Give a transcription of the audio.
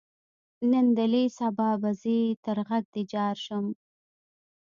نن دلې سبا به ځې تر غږ دې جار شم.